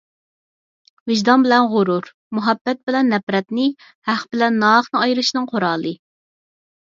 ۋىجدان بىلەن غۇرۇر، مۇھەببەت بىلەن نەپرەتنى، ھەق بىلەن ناھەقنى ئايرىشنىڭ قورالى.